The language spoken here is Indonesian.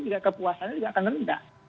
juga kepuasannya juga akan rendah